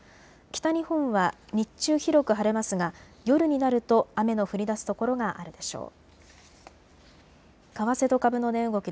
北日本は日中、広く晴れますが夜になると雨の降りだす所があるでしょう。